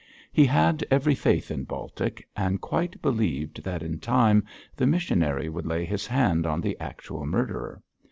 He had every faith in Baltic, and quite believed that in time the missionary would lay his hand on the actual murderer.